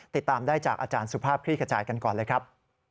ติดตามได้จากอาจารย์สุภาพคลี่ขจายกันก่อนเลยครับ